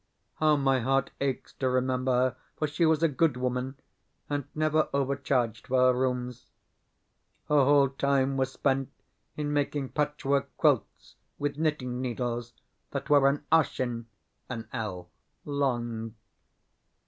How my heart aches to remember her, for she was a good woman, and never overcharged for her rooms. Her whole time was spent in making patchwork quilts with knitting needles that were an arshin [An ell.] long.